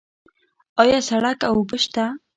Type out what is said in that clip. آیا سړک او اوبه شته؟